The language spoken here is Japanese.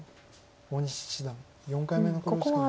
大西七段４回目の考慮時間に入りました。